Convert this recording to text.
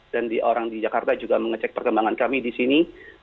dan orang di jakarta juga mengecek perkembangan kami di sini